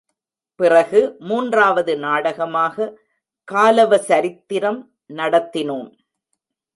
பிறகு மூன்றாவது நாடகமாக காலவ சரித்திரம் நடத்தினோம்.